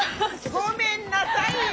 ごめんなさいよ。